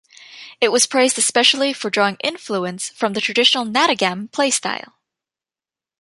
It was praised especially for drawing influence from the traditional "nadagam" play style.